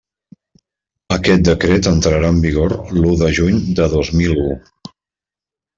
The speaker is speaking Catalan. Aquest decret entrarà en vigor l'u de juny de dos mil u.